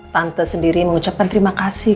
tante sendiri mengucapkan terima kasih